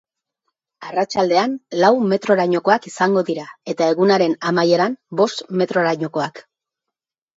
Arratsaldean, lau metrorainokoak izango dira, eta egunaren amaieran, bost metrorainokoak.